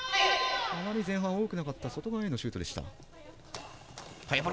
あまり前半は使っていなかった外側へのシュートでした。